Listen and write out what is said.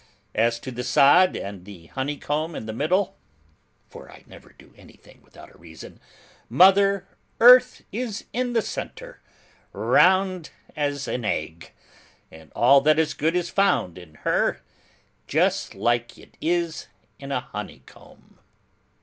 As to the sod and the honeycomb in the middle, for I never do anything without a reason, Mother Earth is in the centre, round as an egg, and all that is good is found in her, just like it is in a honeycomb."